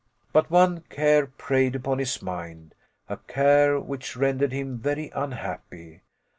But one care preyed upon his mind, a care which rendered him very unhappy.